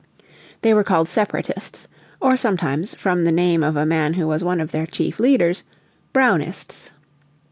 They were called Separatists, or sometimes, from the name of a man who was one of their chief leaders, Brownists.